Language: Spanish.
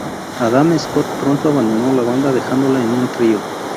Adam Scott pronto abandono la banda, dejándola en un trío.